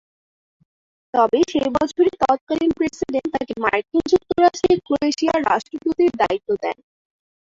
তবে সেই বছরই তৎকালীন প্রেসিডেন্ট তাকে মার্কিন যুক্তরাষ্ট্রে ক্রোয়েশিয়ার রাষ্ট্রদূতের দায়িত্ব দেন।